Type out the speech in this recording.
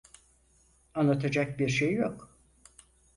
Anlatacak bir şey yok.